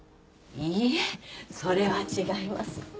いいえそれは違います。